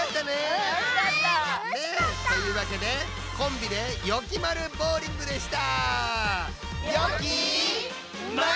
うんたのしかった！というわけで「コンビでよきまるボウリング！」でした！